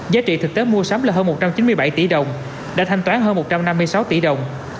giá trị thực tế mua sắm là hơn một trăm chín mươi bảy tỷ đồng đã thanh toán hơn một trăm năm mươi sáu tỷ đồng